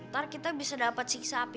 jangan buat banyak mas